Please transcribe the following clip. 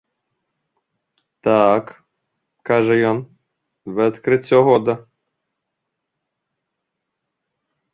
Так, кажа ён, вы адкрыццё года.